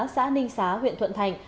xã ninh xá huyện thuận thành